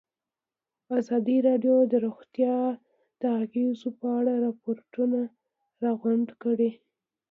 ازادي راډیو د روغتیا د اغېزو په اړه ریپوټونه راغونډ کړي.